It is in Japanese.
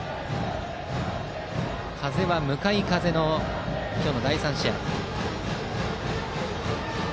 風は向かい風の今日の第３試合。